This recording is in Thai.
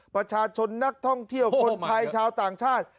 ประชาชนนักท่องเที่ยวคนไทยชาวต่างชาติ